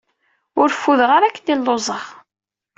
Ur fudeɣ ara akken i lluẓeɣ